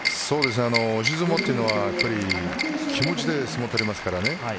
押し相撲というのはやっぱり気持ちで相撲を取りますからね。